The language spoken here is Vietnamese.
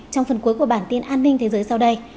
trong phần cuối của bản tin an ninh thế giới sau đây